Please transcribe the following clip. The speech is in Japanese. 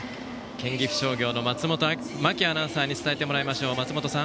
県岐阜商業の松本真季アナウンサーに伝えてもらいましょう。